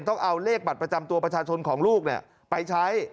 ต้องเอาเลขบัตรประจำตัวประชาชนของลูกไปใช้